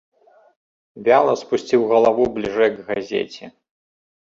Вяла спусціў галаву бліжэй к газеце.